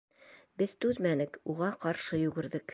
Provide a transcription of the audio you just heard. Беҙ түҙмәнек, уға ҡаршы йүгерҙек.